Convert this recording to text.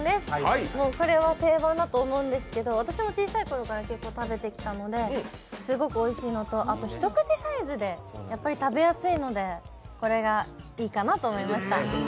これは定番だと思うんですけど私も小さいころから結構食べてきたので、すごくおいしいのと、一口サイズでやっぱり食べやすいのでこれがいいかなと思いました。